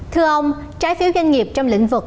thưa ông trái phiếu doanh nghiệp trong lĩnh vực